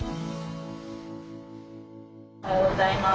おはようございます。